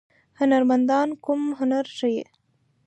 هنرمندان کوم هنر ښيي؟